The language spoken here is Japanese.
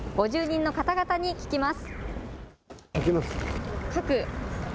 ５０人の方々に聞きます。